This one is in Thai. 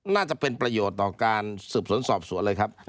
น่าจะเป็นประโยชน์ต่อการสืบสวนสอบสวนเลยครับ